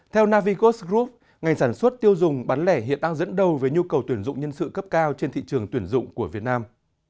theo navigos group ngành sản xuất tiêu dùng bán lẻ hiện đang dẫn đầu với nhu cầu tuyển dụng nhân sự cấp cao trên thị trường tuyển dụng của việt nam